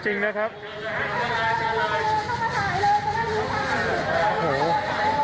ต้องกำลังลุกเลยครับ